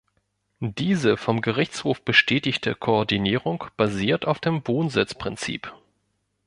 Diese vom Gerichtshof bestätigte Koordinierung basiert auf dem Wohnsitzprinzip.